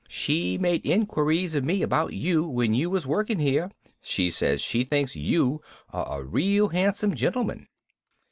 She made inquiries of me about you when you was working here. She says she thinks you are a real handsome gentleman."